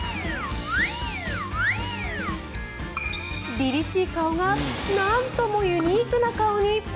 りりしい顔がなんともユニークな顔に。